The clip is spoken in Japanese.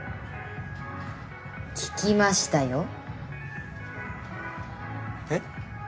聞きましたよえっ？